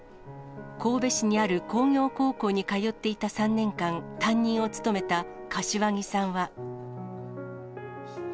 神戸市にある工業高校に通っていた３年間、担任を務めた柏木さんは。